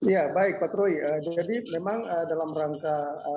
ya baik pak troy jadi memang dalam rangka